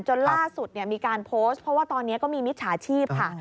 จนล่าสุดมีการโพสต์เพราะว่าตอนนี้ก็มีมิจฉาชีพค่ะ